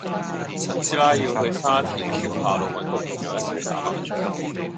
陳師奶要去沙田橋下路搵個朋友一齊打麻雀